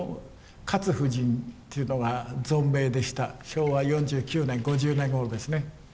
昭和４９年５０年ごろですね。